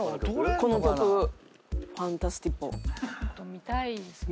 この曲『ファンタスティポ』見たいですね。